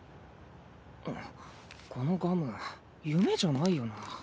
あこのガム夢じゃないよな。